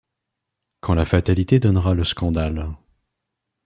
Quand la fatalité donnera le scandale